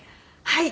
はい。